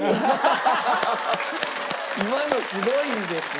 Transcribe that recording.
今のすごいですね。